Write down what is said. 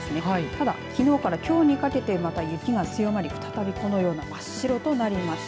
ただ、きのうからきょうにかけてまた雪が強まり再びこのような真っ白となりました。